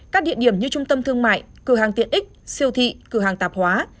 các địa điểm như trung tâm thương mại cửa hàng tiện ích siêu thị cửa hàng tạp hóa